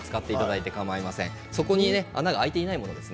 底に穴が開いていないものです。